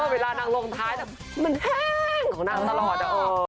เวลานางลงท้ายมันแห้งของนางตลอด